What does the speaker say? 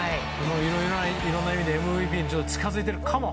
いろんな意味でＭＶＰに近づいているかも。